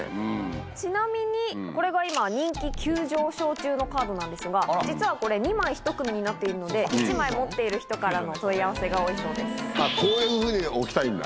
ちなみに、これが今人気急上昇中のカードなんですが、実はこれ、２枚１組になっているので、１枚持っている人からの問い合わせが多いそうでこういうふうに置きたいんだ。